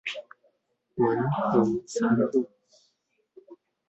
文橫三路